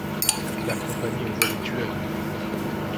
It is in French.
La compagnie envoie des tueurs.